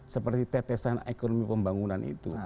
seperti tetesan ekonomi pembangunan itu